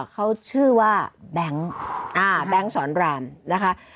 เขาชื่อว่าแบงค์แบงค์สอนรามนะคะ